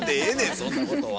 そんなことは。